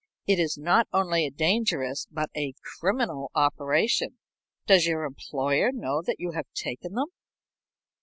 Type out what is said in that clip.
It is not only a dangerous but a criminal operation. Does your employer know that you have taken them?"